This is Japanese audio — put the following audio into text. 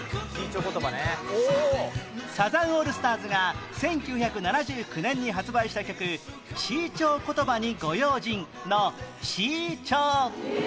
サザンオールスターズが１９７９年に発売した曲『Ｃ 調言葉に御用心』の「Ｃ 調」